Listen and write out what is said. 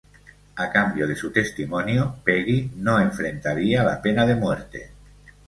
A cambio de su testimonio, Peggy no enfrentaría la pena de muerte.